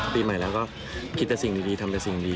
ปีใหม่แล้วก็คิดแต่สิ่งดีทำแต่สิ่งดี